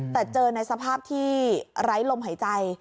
แต่เจอในสภาพที่ไร้ลมหายใจ